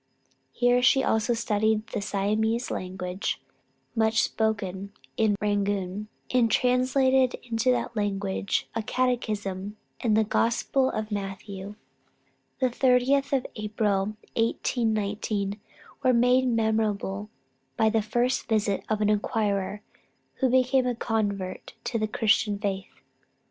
Here she also studied the Siamese language, much spoken in Rangoon, and translated into that language a catechism, and the Gospel of Matthew. The 30th of April, 1819, was made memorable by the first visit of an inquirer who became a convert to the Christian faith.